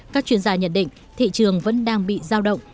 các chuyên gia nhận định thị trường vẫn đang bị giao động